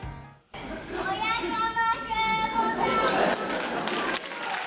おやかましゅうございます。